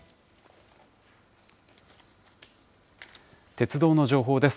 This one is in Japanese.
鉄道の情報です。